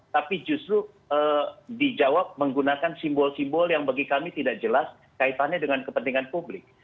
tapi justru dijawab menggunakan simbol simbol yang bagi kami tidak jelas kaitannya dengan kepentingan publik